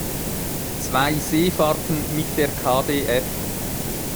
Zwei Seefahrten mit der KdF".